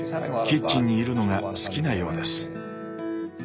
キッチンにいるのが好きなようです。